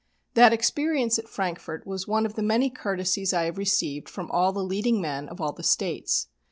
That experience at Frankfort was one of the many courtesies I have received from all the leading men of all the States.